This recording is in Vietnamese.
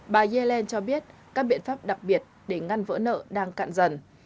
bà yellen cho biết các biện pháp đặc biệt để ngăn vỡ nợ đang cạn dần